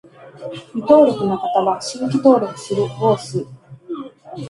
未登録の方は、「新規登録する」を押す